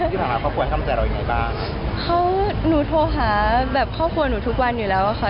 ที่ผ่านมาครอบครัวทำใจเรายังไงบ้างเขาหนูโทรหาแบบครอบครัวหนูทุกวันอยู่แล้วอะค่ะ